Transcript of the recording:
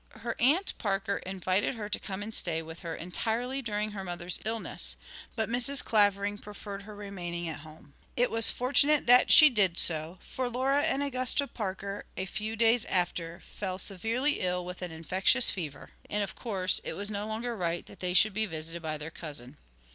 Her aunt Parker invited her to come and stay with her entirely during her mother's illness, but Mrs. Clavering preferred her remaining at home. It was fortunate that she did so, for Laura and Augusta Parker a few days after fell severely ill with an infectious fever, and, of course, it was no longer right that they should be visited by their cousin.